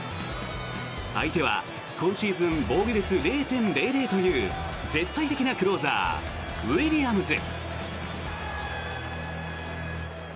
相手は今シーズン防御率０．００という絶対的なクローザーウィリアムズ。